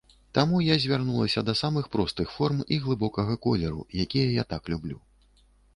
Таму я звярнулася да самых простых форм і глыбокага колеру, якія я так люблю.